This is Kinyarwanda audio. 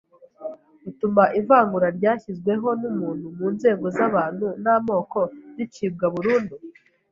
utuma ivangura ryashyizweho n’umuntu mu nzego z’abantu n’amoko ricibwa burundu.